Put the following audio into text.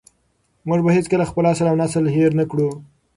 موږ به هېڅکله خپل اصل او نسل هېر نه کړو.